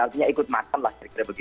artinya ikut makan lah